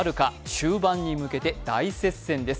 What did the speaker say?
終盤に向けて大接戦です。